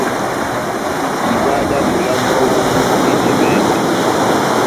Diba dá mola mɔ́wu dindi vɛngɛ.